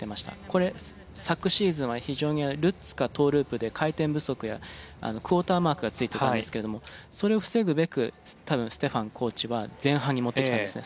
これ昨シーズンは非常にルッツかトーループで回転不足やクオーターマークが付いてたんですけどもそれを防ぐべく多分ステファンコーチは前半に持ってきたんですね。